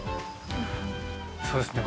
そうですね。